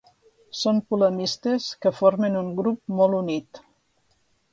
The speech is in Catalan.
Són polemistes que formen un grup molt unit.